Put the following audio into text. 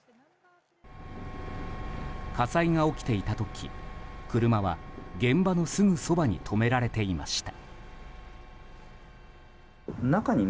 火災が起きていた時車は現場のすぐそばに止められていました。